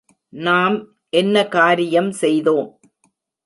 நாம் என்ன காரியம் செய்தோம்?